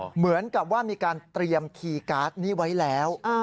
เหมือนกับว่ามีการเตรียมคีย์การ์ดนี้ไว้แล้ว